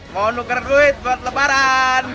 mau nuker duit buat lebaran